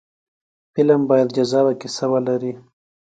فلم باید جذابه کیسه ولري